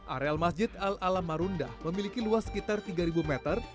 areal masjid al alam marunda memiliki luas sekitar tiga meter